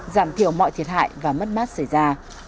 giảm thiểu mọi thiệt hại và mất mát xảy ra